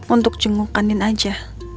untuk jengukkanin aja